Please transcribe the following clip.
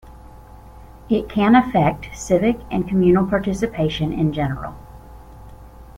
It can affect civic and communal participation in general.